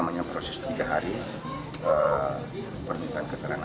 badan narkotika mengamankan satu alat hisap sabu sabu